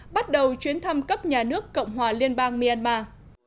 bắt đầu chuyến thăm cấp nhà nước cộng hòa liên bang myanmar